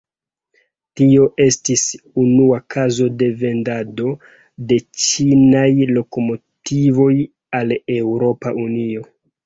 Tio estis unua kazo de vendado de ĉinaj lokomotivoj al Eŭropa Unio.